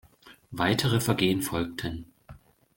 Weitere Vergehen folgten.